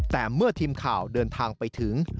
แต่เมื่อทีมข่าวเดินทางไปถึง